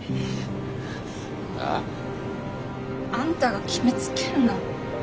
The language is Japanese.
あ？あんたが決めつけんな。